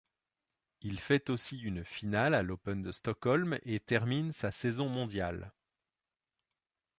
Il fait aussi une finale à l'Open de Stockholm et termine sa saison mondial.